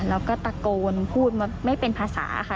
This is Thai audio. แล้วก็ตะโกนพูดมาไม่เป็นภาษาค่ะ